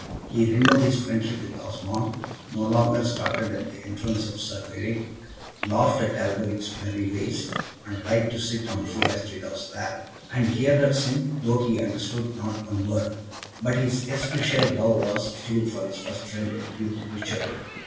He renewed his friendship with Osmond, no longer started at the entrance of Sir Eric, laughed at Alberic's merry ways, and liked to sit on Fru Astrida's lap, and hear her sing, though he understood not one word; but his especial love was still for his first friend, Duke Richard.